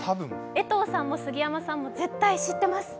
江藤さんも杉山さんも絶対知ってます。